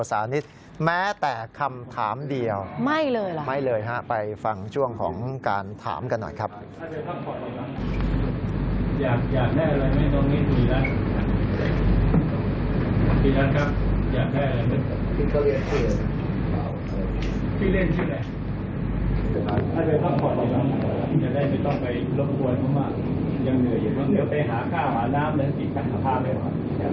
ยังเหนื่อยอยู่ต้องไปหาข้าวหาน้ำและสิทธิศกรรมภาพเลย